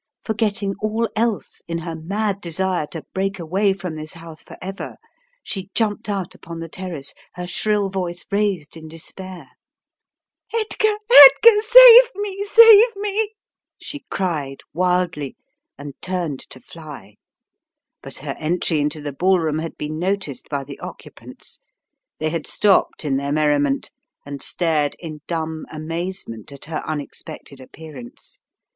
Forgetting all else in her mad desire to break away from this house forever, she jumped out upon the terrace, her shrill voice raised in despair: w Edgar, Edgar, save me! save me!" she cried wildly and turned to fly. But her entry into the ball room had been noticed by the occupants. They had stopped in their merriment and stared in dumb amazement at her unexpected appearance.